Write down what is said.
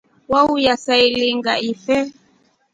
Waiya saailinga ife.